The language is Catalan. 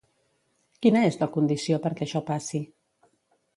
Quina és la condició perquè això passi?